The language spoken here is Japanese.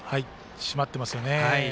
締まってますよね。